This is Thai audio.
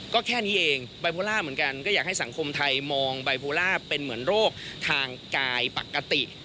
ก็แค่นี้เองบายโพล่าเหมือนกันก็อยากให้สังคมไทยมองไบโพล่าเป็นเหมือนโรคทางกายปกติ